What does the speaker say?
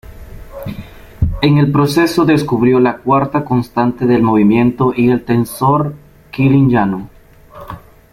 En el proceso, descubrió la "cuarta constante del movimiento" y el "tensor Killing-Yano".